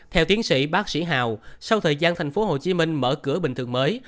theo tiến sĩ bác sĩ hào sau thời gian tp hcm mở cửa bình thường mới